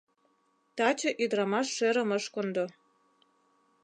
Таче ӱдрамаш шӧрым ыш кондо.